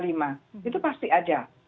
itu pasti ada